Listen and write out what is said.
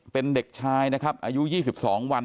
เป็นเด็กชายนะครับอายุ๒๒วัน